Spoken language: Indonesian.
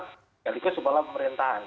sekaligus kepala pemerintahan